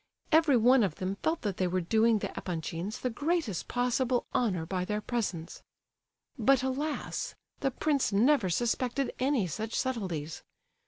Every one of them felt that they were doing the Epanchins the greatest possible honour by their presence. But alas! the prince never suspected any such subtleties!